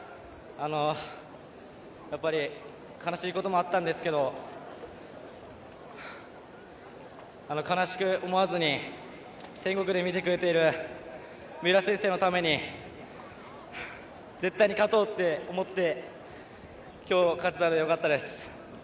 やっぱり悲しいこともあったんですけど悲しく思わずに天国で見てくれている三浦先生のために絶対に勝とうと思って今日、勝てたのでよかったです。